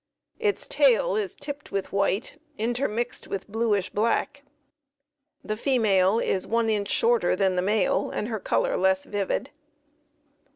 Its tail is tipped with white, intermixed with bluish black. The female is one inch shorter than the male, and her color less vivid.